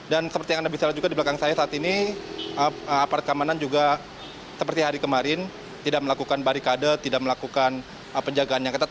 dan seperti yang anda bisa lihat juga di belakang saya saat ini apart keamanan juga seperti hari kemarin tidak melakukan barikade tidak melakukan penjagaan yang ketat